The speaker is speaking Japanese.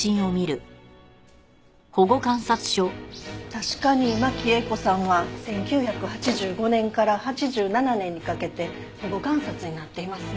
確かに真木英子さんは１９８５年から８７年にかけて保護観察になっていますね。